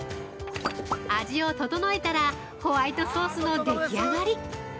◆味を調えたらホワイトソースのでき上がり。